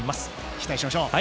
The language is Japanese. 期待しましょう。